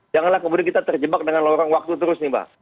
janganlah kemudian kita terjebak dengan lorong waktu terus nih mbak